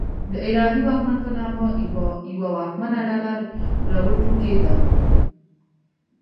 د الهي واکمن په نامه یوه واکمنه ډله راوټوکېده.